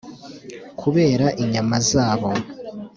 kubera inyama zabo